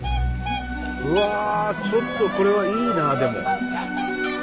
うわちょっとこれはいいなあでも。